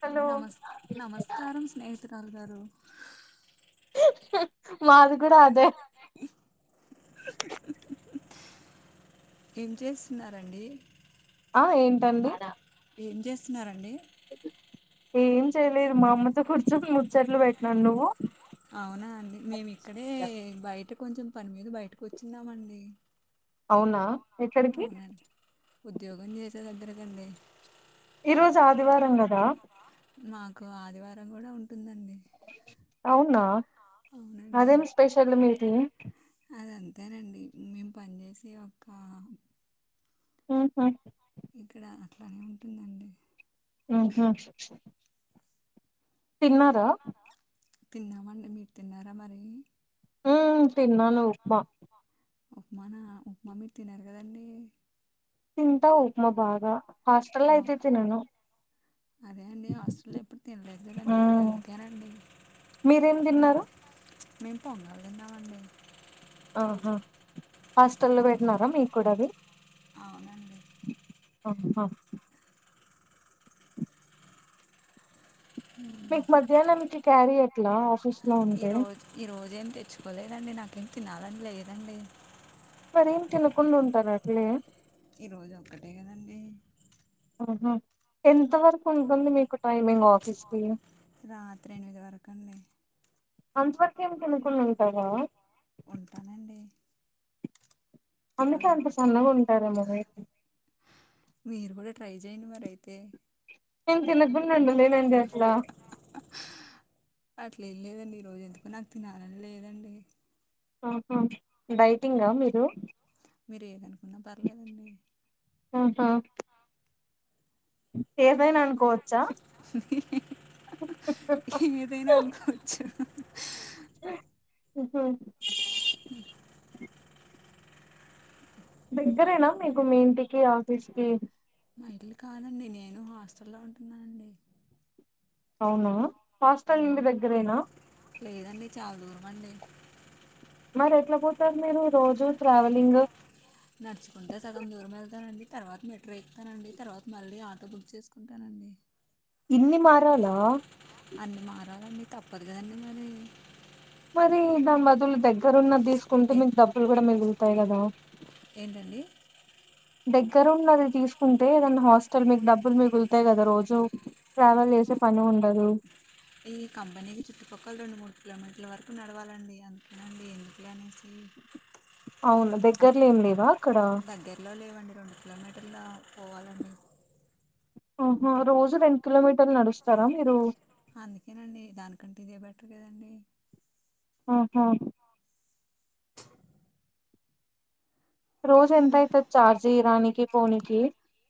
Hello తల్ గారు మాది కూడా అదే ఏం చేస్తున్నారండి ఆ ఏంటండి ఏం చేస్తున్నారండి ఏం చేయలేదు మా అమ్మతో కూర్చొ ముచ్చట్లు పెట్టినాను నువ్వు అవునా అండి మేమి ఇక్కడే బయట కొంచెం పని మీద బయటకు వచ్చిందామండి అవునా ఎక్కడికి అవునండి ఉద్యోగం చే సంత దెగారికండి ఈరోజు ఆదివారం కదా మాకు ఆదివారం కూడా ఉంటుందండి అవునా అవునండి అదేం స్పెషల్ మీది అది అంతేనండి మేము పనిచేసి ఒక హుహు ఇక్కడ అట్లానే ఉంటుందండి ఉహు తిన్నారా తిన్నామండి మీరు తిన్నారా మరి ఉ తిన్నాను ఉప్మా ఉప్మానా ఉప్మా మీరు తినరు కదండి తింటా ఉప్మా బాగా హాస్టెల్ అయితే తినను అదే అండి హాస్టల్లో ఎప్పుడు తినలేదు కదండి ఉమ్ అందుకేనండి మీరేం తిన్నారు మేము పొంగల్ తిన్నామండి ఆహా హాస్టల్ లో పెట్నారా మీకు కూడా అది అవునండి అం హా మీకు మధ్యాహ్నం చికె క్యారియట్లా ఆఫీస్ లో ఉంటే ఈరోజు ఈరోజు ఏం తెచ్చుకోలేదండి నాకు తినాలని లేదండి మరేం తినకుండా ఉంటారు అట్లే ఈరోజు ఒక్కటే కదండి ఆహ ఎంత వరకు ఉంటుంది మీకు టైమింగ్ ఆఫీస్ కి రాత్రి ఎనిమిది వరకు అండి అంత వరకు ఏమి తినుకుండా ఉంటారా ఉంటానండి అందుకే రోజు అంత ఒక్కటే సన్నగా ఉంటారేమో మీరు మీరు కూడా ట్రై చేయండి మరి అయితే నేను తినకు కుండ ఉండలేనండి అట్లా అట్లే ఏం లేదండి ఈరోజు ఎందుకు నాకు తినాలని లేదండి ఆహా డైటింగా మీరు మీరు ఏదనుకున్నా పర్లేదండి ఉహు ఉ ఏదైనా అనుకోవచ్చా ఏదైనా అనుకోవచ్చు అ [inaudible] [inaudible] [inaudible] దగ్గరేనా మీకు మీ ఇంటికి ఆఫీస్ కి మైలు కాదండి నేను హాస్టల్లో ఉంటున్నానండి. అవునా హాస్టల్ నుం అవునండి దగ్గరేనా లేదండి. చాలా దూరం అండి. మరి ఎట్లా పోతారు మీరు రోజు ట్రావెలింగ్ నడుచుకుంటే సగం దూరం వెళ్తానండి. తర్వాత మెట్రో ఎక్కుతానండి. తర్వాత మళ్ళీ ఆటో బుక్ చేసుకుంటానండి. ఇన్ని మారాలా అన్నీ మారాలన్నీ తప్పదు కదీ మరి మరి దాని బదులు దగ్గరున్న ద తీకుంటే ఏ మీకు డబ్బులు కూడా మి అంటే కదా ఏంటండి దగ్గర ఉన్నది తీసుకుంటే ఏదనా హాస్టల్ మీకు డబ్బులు మిగులుతాయి కదా రోజు ట్రావెల్ చేసే పని ఉండదు. ఈ కంపెనీకి చుట్టుపక్కల రెండు, మూడు కిలోమీటర్ల వరకు నడవాలండి. అందుకేనండి ఎందుకులే అనేసి అవును దగ్గర్లో ఏం లేవా అక్కడ దగ్గరలో లేవండి రెండు కిలోమీటర్ల పోవాలండి ఆహో రోజు రెండు కిలోమీటర్లు నడుస్తారా మీరు. అందుకేనండి దానికంటే ఇదే బెటర్ కదండి ఆహా రోజు ఎంత అవుతు చార్జి రానికి పోనీనికి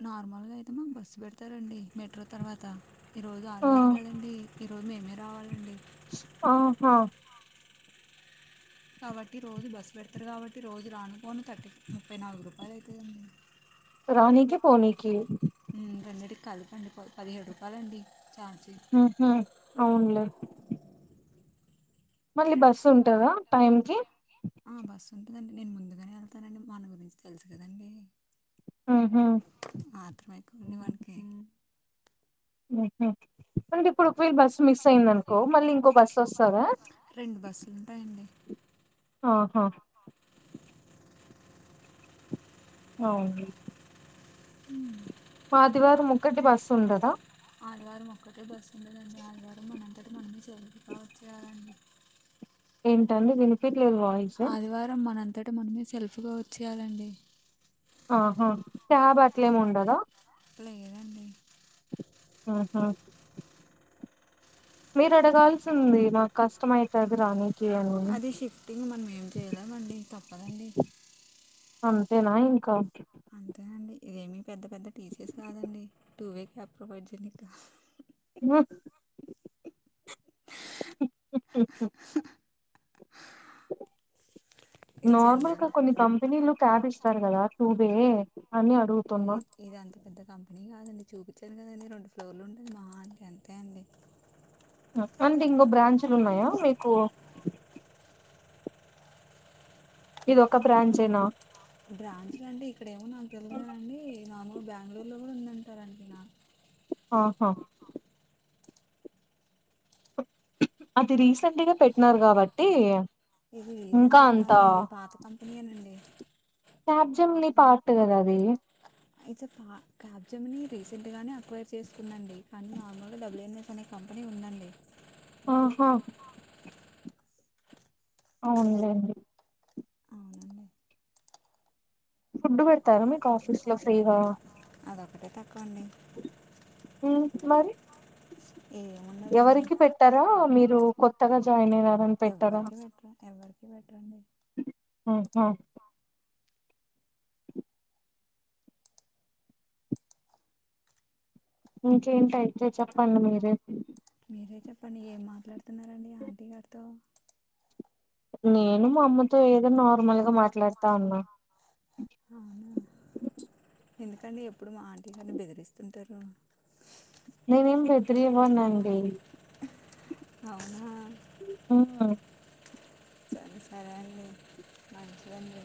నార్మల్గా అయితే మాకు బస్సు పెడతారండి మెట్రో తర్వాత ఈ రోజు ఆదివారం కదండి రోజు మేమే రావాలండి ఆహా కాబట్టి రోజు బస్సు పెడతారు. కాబట్టి రోజు రానుకోను థర్టీ ముప్పై నాలుగు రూపాయలు అవుతుందండి. రనీకి పోనీకి ఊ రెండిటి కలిపండి పదిహేడు రూపాయలండి ఛార్జీ అహ అవున్లే మళ్ళీ బస్సుటందా టైం కి ఆ బస్సు ఉంటాదండి నేను ముందుగానే వెళ్తానండి. మన గురించి తెలుసు కదండి. ఉహు మాత్రమైకున్ని మనకి ఆహా మంటఇప్ ఇప్పుడు ఇ బస్ మిస్ అయింది. అనుకో మళ్ళ ఇంకో బస్ వస్తందా, రెండు బస్సులు ఉంటాయండి ఆహా అవును ఆదివారం ఒక్కటి బస్సు ఉండదా [inaudible] ఆదివారం మొక్కటి బస్ ఉంటది ఆదివారం మనంత అ మన్నీ చేరి ఉండవచ్చు గా ఎంటండి వినిపి ఆదివారం మన అంతట మనమే సెల్ఫ్గా వచ్చేయాలండి ఆహా క్యాబ్ అట్లేముండదా లేదండి ఆహా మీరు అడగాల్సింది నాకు కష్టమైతది రాని అది షిఫ్టింగ్ మనం ఏం చేయలేమండి తప్పదండి అంతేనా ఇంకా అంతేనండి ఇదేమి పెద్ద పెద్ద టీసిస్ కాదండి నువ్వే క్యాబ్ ప్రొవైడ్ చేయిక హుమ్ హుమ్ హుమ్ ఇది నార్మల్ గా జనరల్ కొన్ని కంపెనీలు క్యాబ్ ఇస్తారు కదా టూబే ఏ ఏద అంత పెద్ద కంపెనీ కాదండి చూపించాను కదండి రెండు ఫ్లోర్లు ఉండది మహా అయితే అంతే అండి అంతే అంటే ఇంకో బ్రాంచులు ఉన్నాయా మీకు ఇది ఒక బ్రాంచేనా బ్రాంచ్లు అంటే ఇక్కడ ఏమో నాకు తెలవదనండి మామూలు బెంగళూరులో కూడా ఉందంటారంటడి నా ఆహా అది రీసెంట్గా పెట్టినారు కాబట్టి ఇది ఇంకా రీసెంట్ ఏం అంత కదాండి పాత కంపెనీ ఏ నండి క్యాప్జెమినీ పాట్ కదా అది ఇస పా క్యాబ్జమ్ని రీసెంట్గానే అక్వైర్ చేసుకుందండి కానీ నార్మల్గా డబ్ల్యూన్ఎస్ అనే కంపెనీ ఉందండి ఓహా అవునులేండి అవునండి ఫుడ్ పెడతారా మీకు ఆఫీస్ లో ఫ్రీగా ఒకటే తక్కువండి మ్ మరి ఏముండదండి ఎవరికి పెట్టారా మీ కొత్తగా జాయినా ఎవ్వరికి పెట్టరు ఎవ్వరికి పెట్టరండి ముహుం [inaudible] ఇంకేంటయితే చెప్పండి మీరె మీరే చెప్పండి ఏం మాట్లాడుతున్నారండి ఆంటీ గారితో నే మా అమ్మతో ఏదో నార్మల్గా మ లేస్తా ఉన్నా అవునా ఎందుకండి ఎప్పుడు మా ఆంటీ గారిని బెదిరిస్తుంటారు నేనేం బెద్రివ్వనండి అవునా ఉమ్ సరే సరే అండి మంచిదండి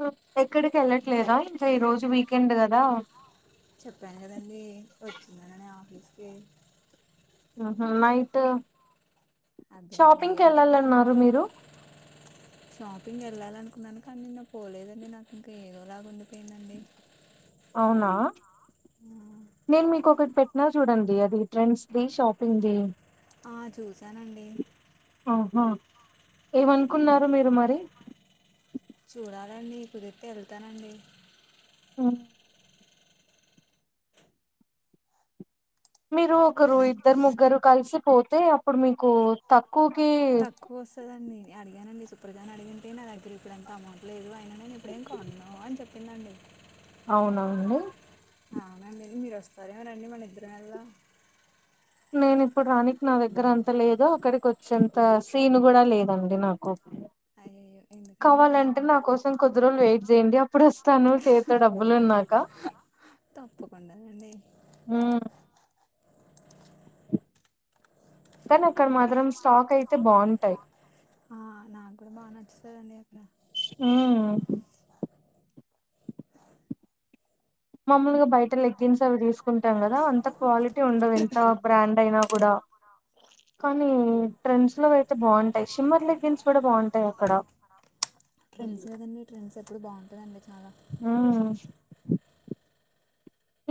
హమ్ ఎక్కడికి ఏళ్లట్లేదా ఇంకా ఈ రోజు వీకెండ్ కదా చెప్పాను కదండి వచ్చిందననే ఆఫీస్ చే ఆహా నైటు అబ్బాయి షాపింగ్ నైట్ కెళ్ళాలన్నారు మీరు షాపింగ్ ఎళ్ళాలనుకున్నాను కానీ నిన్న పోలేదండి నాకు ఇంకా ఏదోలాగా ఉండిపోయిందండి అవునా నేన్ మీ కోకట్ పెట్ ఇలా చూడండి అది ట్రెండ్స్ ది షాపింగ్ది ఆ చూసానండి ఆహా ఏమనుకున్నారు మీరు మరి చూడాలండి కుదిర్తే ఎల్తానండి మ్ మీరు ఒకరు ఇద్దరు ముగ్గరు కలిసి పోతే అప్పుడు మీకు తక్ తక్కువస్తదండి అడిగానండీ సుప్రజనీ అడిగింటె నాదెగ్గర్ ఇప్పుడు అంత అమౌంట్ లేదు అ నేను ఇప్పుడేం కొన్ను అనీ చెప్ తినండి అవునవునండి అవునండి మీరు వస్తారేమోరండి మన ఇద్దరం వెళ్దాం నేను ఇప్పుడు రాణిక్ నా దగ్గర అంత లేదు అక్కడికి ఒచ్చేంత సీన్ కూడా లేదండి నాకు అయ్యో ఎందుకండి అలా కావాలంటే నా కోసం కొద్ది రోజ్లు వెయిట్ చేయండి అప్పుడు ఒస్తాను చేత అంటే డబ్బులు ఉన్నాక తప్పకుండా రండి మ్ కానీ అక్కడ మాత్రమ్ స్టాక్ అయితే బాగుంటాయి తదండి అట్లా ఉమ్ మాముల్గా బయట లెగ్గిన్స్ అవి తీసుకుంటాం కదా అంత క్వాలి ఉండవు ఎంత బ్రాండ్ అయినా కూడా కానీ ట్రెండ్స్ లో అయితే బాగుంటాయి షిమ్మర్స్ లెగ్గిన్స్ కూడా బాగుంటాయి అక్కడ ఇప్పుడు బాగుంటదండి చా ఆ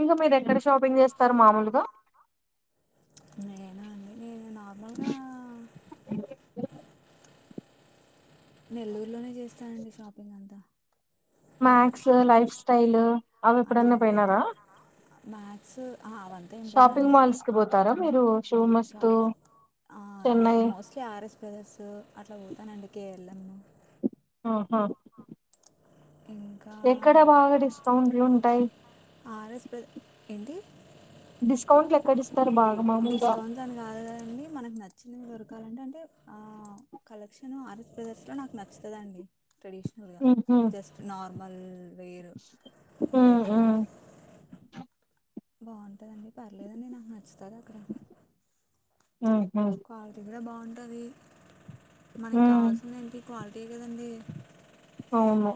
ఇంకా మీరు ఎక్కడ షాపింగ్ చేస్తారు మామూలుగా నేనా అండి నేను నార్మల్గా నెల్లూరులోనే స్తారండి షాపింగ్ అంతా మాక్స్ లైఫ్ స్టైల్ అవి ఎప్పుడన్న పోయినారా మాక్స్ అవంతా ఏం షాపింగ్ పోనండి మాల్స్ కి పోతారా మీరు షూ ష మస్తు చెన్నై మోస్ట్లీ ఆర్ఎస్ బ్రదర్స్ అట్లా పో [inaudible] ఆహా ఇంకా ఎక్కడ బాగా డిస్కౌంట్లు ఉంటాయి ఆర్ఎస్ బ్రద ఏంటి డిస్కౌంట్లుయెక్కడీస్ డిస్కౌంట్స్ అని కాదు కండి మనకు నచ్చిన వరు కాాలంటంటే కలెక్షన్ ఆర్స్ బ్రదర్స్ నాకు నచ్చుతది ట్రెడిషనల్గా ఉహు జస్ట్ నార్మల్ వేరు ఉ లైక్ ఉ బాగుంటదండి పర్లేదండి నాకు నచ్చ ఉహు క్వాలిటీ కూడా బాగు ఉంటది ఉ మనకి కావాల్సింది ఏంటి క్వాలిటీ కదండి అవును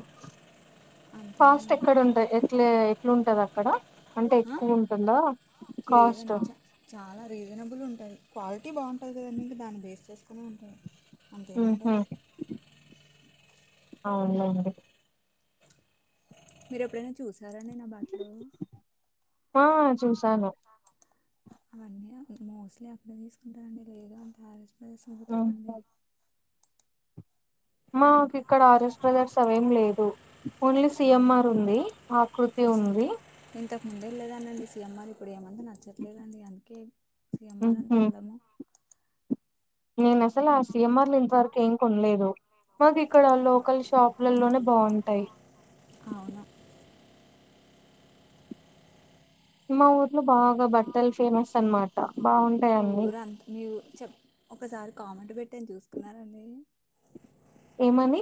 అంతే ఫాస్ట్ అండి ఎక్కడ ఉండయి ఎట్లే అట్లుంటది అక్కడ అంటే ఆ? ఎక్కువ ఉంటుందా కాస్ట్ లేదండి చా చాలా రీజనబుల్ క్వాలిటీ బాగుంటది కదండి ఇంక దాన్ని బేస్ చేసుకునే అంతెం ఉండదు అవునండి మీరు ఎప్పుడైనా చూసారాండి నా బట్టలు ఆ చూసాను అవన్నీ మోస్ట్లీ అర్థం తీసుకుంటారండి లేదు అంటే కలిసి ఉంటామండి ఉమ్. [unintelligible] మాకు ఇక్కడ ఆర్ఎస్ బ్రదర్స్ అవేం లేదు ఓన్లీ అవును సిఎంఆర్ ఉంది ఆకృతి ఉంది ముందేలేదా అండి సీఎంఆర్ ఇప్పుడు ఏమన్నా ఏం నచ్చట్లేదండి అందుకే సీఎంఆర్ అట్లా ఉహు, వెళ్ళము నేను అసలు ఆ సిఎంఆర్లో ఇంతవరకు ఏం కొనలేదు మాకు ఇక్కడ లోకల్ షాపులలోనే బాగుంటాయి అవును మా ఊర్లో బాగా బట్టల్ ఫేమస్ అన్మాట మీ ఊరు అంత్ మీ ఊరు చెప్ ఒకసారి కామెంట్ పెట్టాను చూసుకున్నారండి ఏమని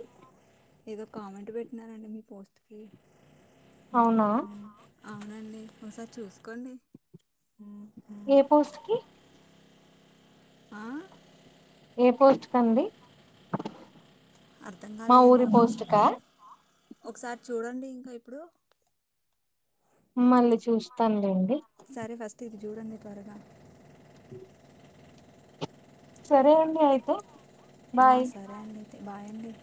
ఏదో కామెంట్ పెట్టినానండి మీ పోస్ట్ కి అవునా అవునండి ఒసారి చూసుకోండి ఉమ్. ఏ పోస్ట్ కి ఆ ఏ పోస్ట్ కండి అర్థం మా కాలేదండి ఊరి ఒక పోస్ట్ కా ఒకసారి చూడండి ఇంకా ఇప్పుడు మళ్ళీ చూస్తానులేండి సరే ఫస్ట్ ఇది చూడండి త్వరగా సరే అండి అయితే ఆ బాయ్ సరే అండి బాయ్ అండి